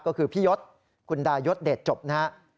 ก็คือพี่ยศคุณดายศเดชจบนะฮะ